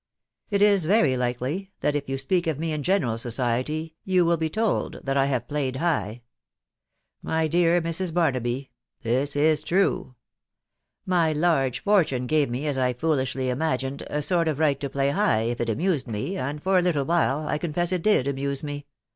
It is very likely, that if you speak of me in general society, you will be told that I have played high. ••. My dear Mrs. Barnaby, this is true. My large fortune gave me, as I foolishly imagined, a sort of right to play high if it amused me, and for a little while, I confess it did amuse me